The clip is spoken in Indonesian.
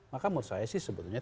maka menurut saya sebetulnya